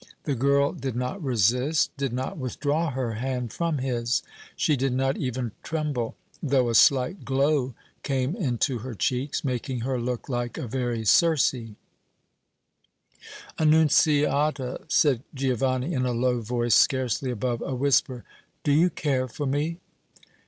The girl did not resist, did not withdraw her hand from his; she did not even tremble, though a slight glow came into her cheeks, making her look like a very Circe. "Annunziata," said Giovanni, in a low voice scarcely above a whisper, "do you care for me?"